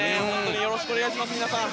よろしくお願いします、皆さん。